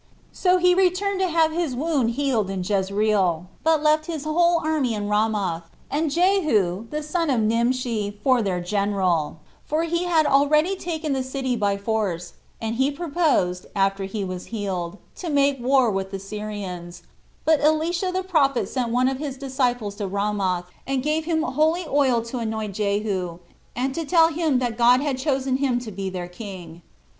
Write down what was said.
So he returned to have his wound healed in Jezreel, but left his whole army in Ramoth, and Jehu, the son of Nimshi, for their general; for he had already taken the city by force; and he proposed, after he was healed, to make war with the Syrians; but Elisha the prophet sent one of his disciples to Ramoth, and gave him holy oil to anoint Jehu, and to tell him that God had chosen him to be their king.